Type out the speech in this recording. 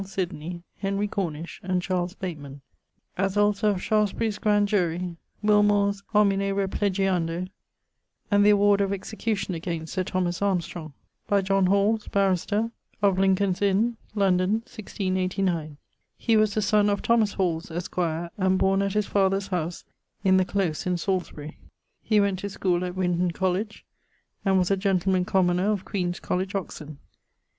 Sydney, Henry Cornish, and Charles Bateman; as also of Shaftsbury's Grand Jury, Wilmore's Homine replegiando, and the award of execution against Sir Thomas Armstrong': by John Hawles, barrister, of Lincoln's Inne: London, 1689. He was the sonne of Thomas Hawles, esq., and borne at his father's house in the close in Salisbury. He went to school at Winton College, and was a gentleman commoner of Queen's College, Oxon.